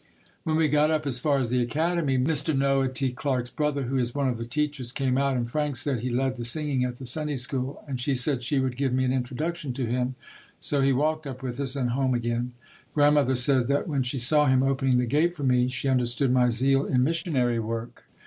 When we got up as far as the Academy, Mr. Noah T. Clarke's brother, who is one of the teachers, came out and Frank said he led the singing at the Sunday School and she said she would give me an introduction to him, so he walked up with us and home again. Grandmother said that when she saw him opening the gate for me, she understood my zeal in missionary work.